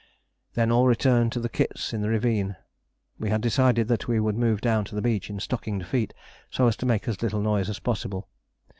Then all returned to the kits in the ravine. We had decided that we would move down to the beach in stockinged feet, so as to make as little noise as possible.